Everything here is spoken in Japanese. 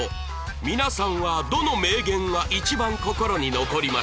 皆さんはどの名言が一番心に残りましたか？